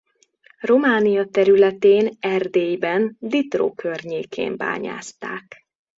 Románia területén Erdélyben Ditró környékén bányászták.